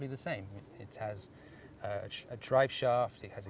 mereka memiliki kerusi kerusi